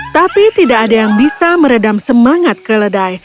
tapi tidak ada yang bisa meredam semangat keledai